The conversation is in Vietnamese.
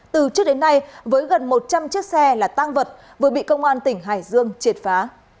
từ trước đến nay với gần một trăm linh chiếc xe là tang vật vừa bị công an tp hcm triệt phá